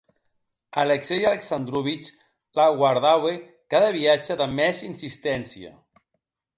Alexei Alexandrovic la guardaue cada viatge damb mès insisténcia.